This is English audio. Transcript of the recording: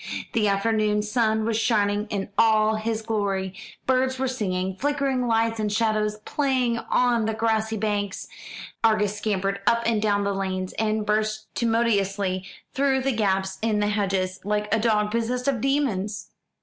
The afternoon sun was shining in all his glory, birds were singing, flickering lights and shadows playing on the grassy banks. Argus scampered up and down the lanes, and burst tumultuously through gaps in the hedges, like a dog possessed of demons.